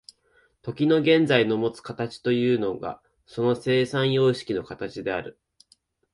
時の現在のもつ形というのがその生産様式の形である。